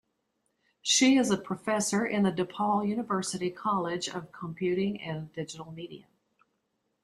She is a professor in the DePaul University College of Computing and Digital Media.